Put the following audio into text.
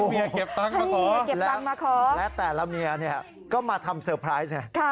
ให้เมียเก็บตังค์มาขอแล้วแต่ละเมียเนี่ยก็มาทำเซอร์ไพรส์เนี่ย